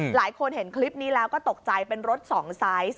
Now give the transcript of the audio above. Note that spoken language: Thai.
หลายคนเห็นคลิปนี้แล้วก็ตกใจเป็นรถสองไซส์